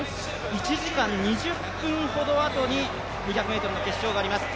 １時間２０分ほどあとに２００ｍの決勝があります。